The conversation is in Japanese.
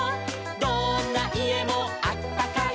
「どんないえもあったかい」